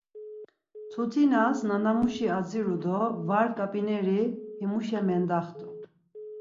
Mtutinas, nanamuşi aziru do var ǩap̌ineri himuşa mendaxt̆u.